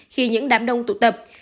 khi những đám đông tụ tập